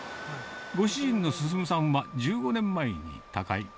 ご主人の進さんは、１５年前に他界。